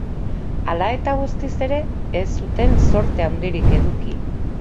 Hala eta guztiz ere, ez zuten zorte handirik eduki.